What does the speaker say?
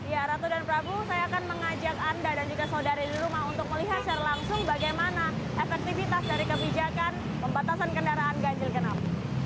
ya ratu dan prabu saya akan mengajak anda dan juga saudari di rumah untuk melihat secara langsung bagaimana efektivitas dari kebijakan pembatasan kendaraan ganjil genap